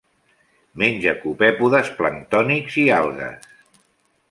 Menja copèpodes planctònics i algues.